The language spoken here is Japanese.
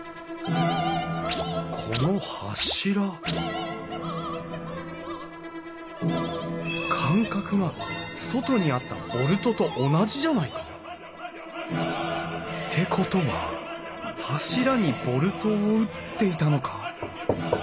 この柱間隔が外にあったボルトと同じじゃないか？ってことは柱にボルトを打っていたのか？